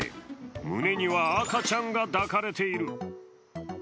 胸には赤ちゃんが抱かれている。